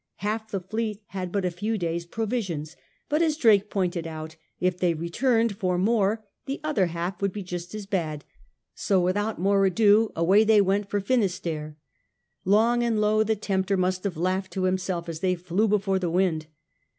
Half the fleet had but a few days* provisions, but, as Drake pointed out, if they returned for more the other half would be just as bad, so without more ado away they went for Finisterre. Long and low the tempter must have laughed to himself as they flew before the wind.